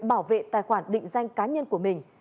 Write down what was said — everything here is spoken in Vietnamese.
bảo vệ tài khoản định danh cá nhân của mình